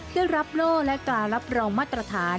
ได้รับโล่และการรับรองมาตรฐาน